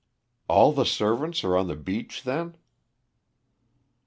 "All the servants are on the beach, then?"